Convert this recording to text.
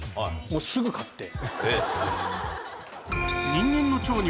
もうすぐ買って。